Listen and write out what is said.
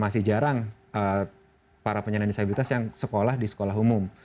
masih jarang para penyandang disabilitas yang sekolah di sekolah umum